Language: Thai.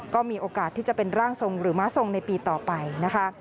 ก็มีโอกาสที่จะเป็นร่างทรงหรือม้าทรงในปีต่อไปนะคะ